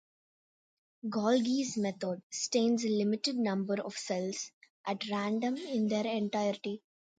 Golgi's method stains a limited number of cells at random in their entirety.